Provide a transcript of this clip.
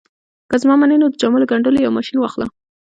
که زما منې نو د جامو ګنډلو یو ماشين واخله